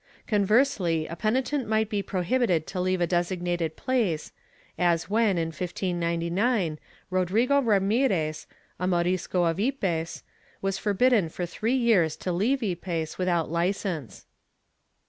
^ Conversely, a penitent might be prohibited to leave a designated place, as when, in 1599, Rodrigo Ramirez, a Morisco of Yepes, was forbidden for three years to leave Yepea without licence.'